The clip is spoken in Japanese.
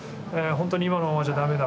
本当に今のままじゃダメだ。